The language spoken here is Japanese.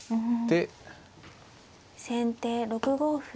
先手６五歩。